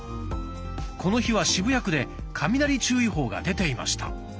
この日は渋谷区で「雷注意報」が出ていました。